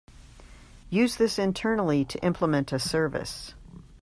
Use this internally to implement a service.